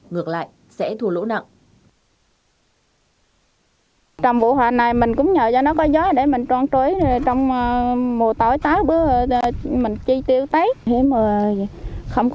ngược lại sẽ thua lỗ nặng